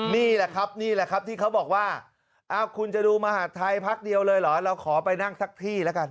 นี่แหละครับนี่แหละครับที่เขาบอกว่าคุณจะดูมหาดไทยพักเดียวเลยเหรอเราขอไปนั่งสักที่แล้วกัน